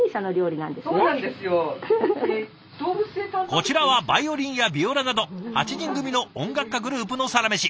こちらはバイオリンやビオラなど８人組の音楽家グループのサラメシ。